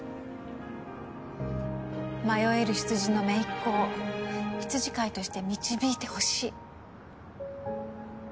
迷える羊のめいっ子を羊飼いとして導いてほしい。